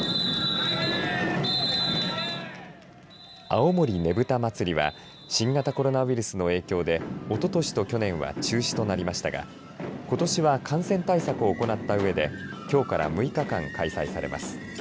青森ねぶた祭は新型コロナウイルスの影響でおととしと去年は中止となりましたがことしは感染対策を行ったうえできょうから６日間開催されます。